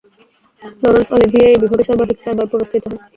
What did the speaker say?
Laurence Olivier এই বিভাগে সর্বাধিক চারবার পুরস্কৃত হন।